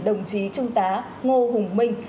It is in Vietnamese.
đồng chí trung tá ngô hùng minh